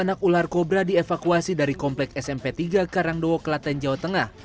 anak ular kobra dievakuasi dari komplek smp tiga karangdowo kelaten jawa tengah